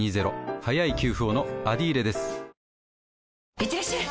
いってらっしゃい！